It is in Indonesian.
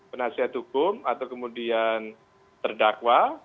penasihat hukum atau kemudian terdakwa